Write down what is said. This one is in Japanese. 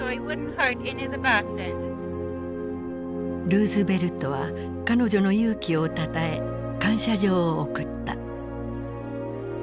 ルーズベルトは彼女の勇気をたたえ感謝状を贈った。